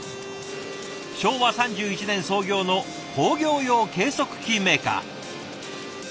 昭和３１年創業の工業用計測器メーカー。